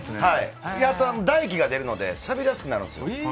唾液が出るので、喋りやすくなるんですよ。